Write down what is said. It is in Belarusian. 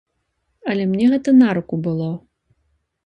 Але мне гэта на руку было.